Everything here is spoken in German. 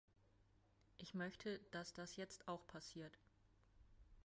Ich möchte, dass das jetzt auch passiert.